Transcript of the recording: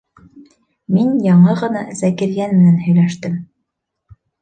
Мин яңы ғына Зәкирйән менән һөйләштем.